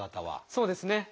そうですね。